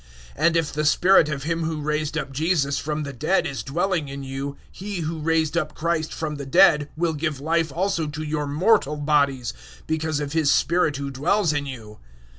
008:011 And if the Spirit of Him who raised up Jesus from the dead is dwelling in you, He who raised up Christ from the dead will give Life also to your mortal bodies because of His Spirit who dwells in you.